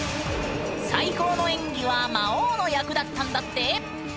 最高の演技は魔王の役だったんだって。